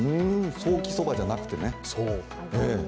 ソーキそばじゃなくてね。